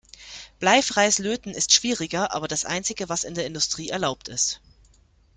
Bleifreies Löten ist schwieriger, aber das einzige, was in der Industrie erlaubt ist.